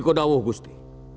kau tahu gusti